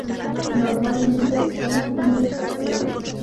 Normalmente son cines pequeños.